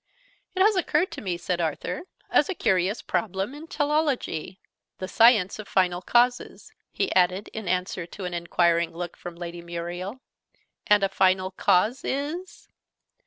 "It has occurred to me," said Arthur, "as a curious problem in Teleology the Science of Final Causes," he added, in answer to an enquiring look from Lady Muriel. "And a Final Cause is